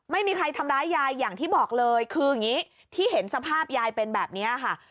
ไม่มีใครทำร้ายยายอย่างที่บอกเลยคืออย่างนี้ที่เห็นสภาพยายเป็นแบบนี้ค่ะ